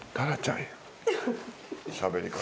しゃべり方。